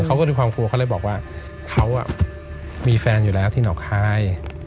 เขาก็มีความกลัวเขาเลยบอกว่าเขามีแฟนอยู่แล้วที่หนองคาย